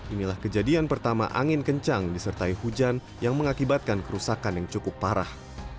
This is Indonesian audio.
inilah kejadian pertama angin kencang disertai hujan yang mengakibatkan kerusakan yang cukup parah